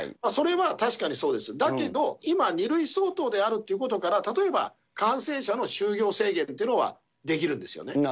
それは確かにそうです、だけど、今、２類相当であるということから、例えば感染者の就業制限というのはできるんですよ。